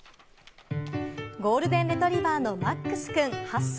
ゴールデンレトリバーのマックスくん、８歳。